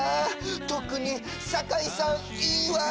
とくに酒井さんいいわ！